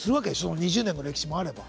２０年の歴史もあれば。